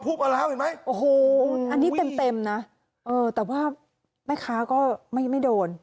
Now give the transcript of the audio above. มาแล้วเห็นไหมโอ้โหอันนี้เต็มเต็มนะเออแต่ว่าแม่ค้าก็ไม่ไม่โดน